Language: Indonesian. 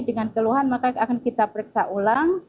dengan keluhan maka akan kita periksa ulang